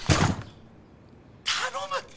頼む！